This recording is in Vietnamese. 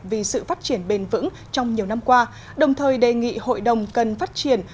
vì sự phát triển bền vững trong nhiều năm qua đồng thời đề nghị hội đồng cần phát triển